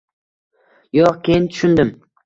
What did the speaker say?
Yo‘q, keyin tushundim.